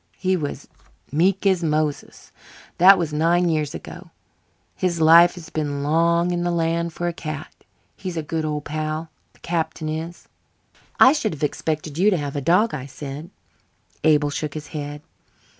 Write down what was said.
He was meek as Moses. That was nine years ago. His life has been long in the land for a cat. He's a good old pal, the Captain is." "I should have expected you to have a dog," I said. Abel shook his head.